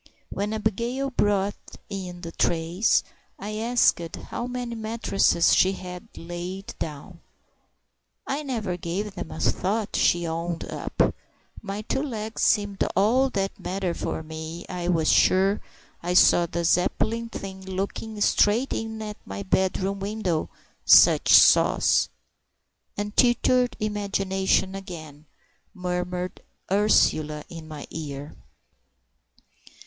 When Abigail brought in the trays, I asked how many mattresses she had laid down. "I never gave 'em a thought," she owned up; "my two legs seemed all that mattered, for I was sure I saw the Zeppelin thing looking straight in at my bedroom window—such sauce!" "Untutored imagination again!" murmured Ursula in my ear.